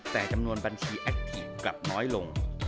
แต่จำนวนบัญชีแอคทีฟกลับน้อยลง